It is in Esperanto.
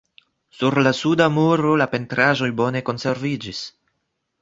Sur la suda muro la pentraĵoj bone konserviĝis.